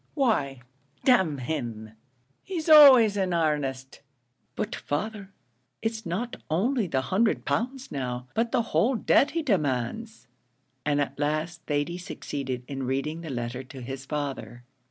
why, d n him, he's always in 'arnest!" "But, father, it's not only the hundred pound now, but the whole debt he demands;" and, at last, Thady succeeded in reading the letter to his father.